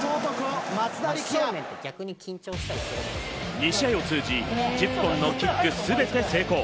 ２試合を通じ、１０本のキック全てを成功。